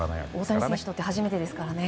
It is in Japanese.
大谷選手にとって初めてですからね。